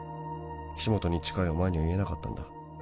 「岸本に近いお前には言えなかったんだ」